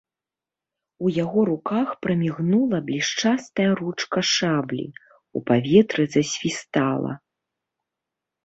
У яго руках прамігнула блішчастая ручка шаблі, у паветры засвістала.